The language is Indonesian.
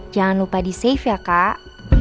jangan lupa di safe ya kak